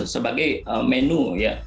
sebagai menu ya